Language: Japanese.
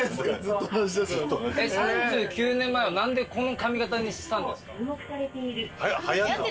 ３９年前は何でこの髪型にしたんですか？